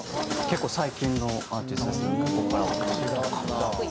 結構最近のアーティストですね